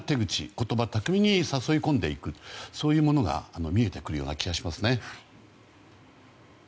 言葉巧みに誘い込んでいくそういうものが見えてくる気がしますね。